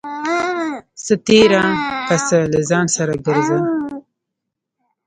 څه تېره پڅه له ځان سره گرځوه.